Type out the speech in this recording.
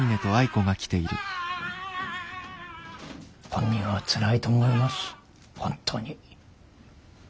本人はつらいと思いますほんとに。